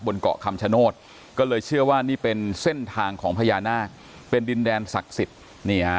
เกาะคำชโนธก็เลยเชื่อว่านี่เป็นเส้นทางของพญานาคเป็นดินแดนศักดิ์สิทธิ์นี่ฮะ